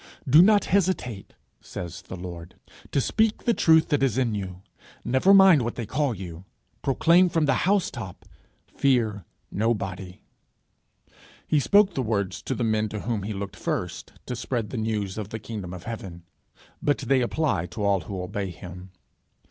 'Do not hesitate,' says the Lord, 'to speak the truth that is in you; never mind what they call you; proclaim from the housetop; fear nobody.' He spoke the words to the men to whom he looked first to spread the news of the kingdom of heaven; but they apply to all who obey him.